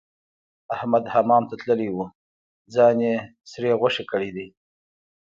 احمد حمام ته تللی وو؛ ځان يې سرې غوښې کړی دی.